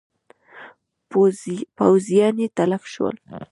پوځیان یې تلف شول.